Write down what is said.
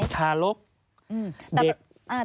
ขอแค่ว่าเป็นชารก